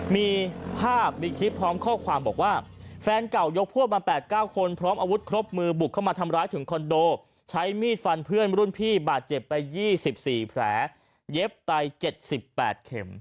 มีภาพมีคลิปพร้อมข้อความบอกว่าแฟนเก่ายกพวกมา๘๙คนพร้อมอาวุธครบมือบุกเข้ามาทำร้ายถึงคอนโดใช้มีดฟันเพื่อนรุ่นพี่บาดเจ็บไป๒๔แผลเย็บไป๗๘เข็ม